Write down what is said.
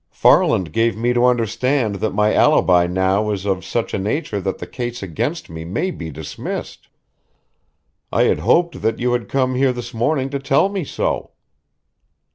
"Farland has given me to understand that my alibi now is of such a nature that the case against me may be dismissed. I had hoped that you had come here this morning to tell me so."